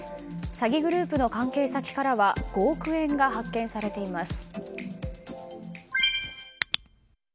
詐欺グループの関係先からは５億円が発見されています。